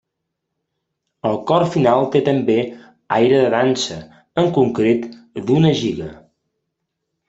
El cor final té també aire de dansa, en concret d'una giga.